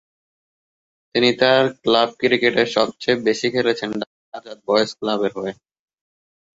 তিনি তার ক্লাব ক্রিকেটের সবচেয়ে বেশি খেলেছেন ঢাকা আজাদ বয়েজ ক্লাবের হয়ে।